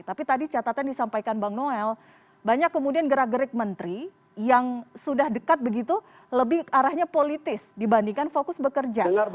tapi tadi catatan disampaikan bang noel banyak kemudian gerak gerik menteri yang sudah dekat begitu lebih arahnya politis dibandingkan fokus bekerja